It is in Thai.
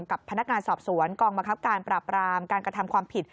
กับพนักงานสอบสวนกองบังคับการปราบรามการกระทำความผิด